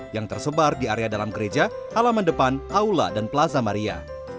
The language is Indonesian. yang tersebar di area dalam gereja halaman depan aula dan plaza maria